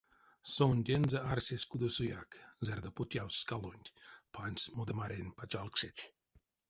Сондензэ арсесь кудосояк, зярдо потявтсь скалонть, пансь модамарень пачалксеть.